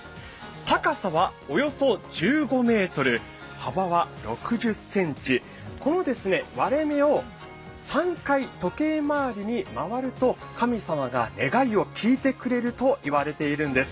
高さはおよそ１５ｍ、幅は６０ｃｍこの割れ目を３回時計回りに回ると神様が願いを聞いてくれると言われているんです。